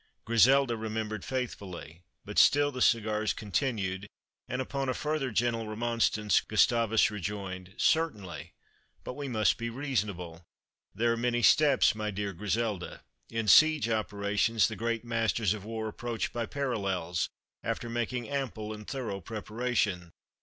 Griselda remembered faithfully. But still the cigars continued, and upon a further gentle remonstrance Gustavus rejoined: "Certainly; but we must be reasonable. There are many steps, my dear Griselda. In siege operations the great masters of war approach by parallels, after making ample and thorough preparation.